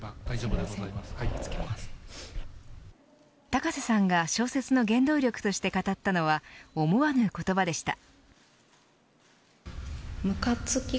高瀬さんが小説の原動力として語ったのは思わぬ言葉でした。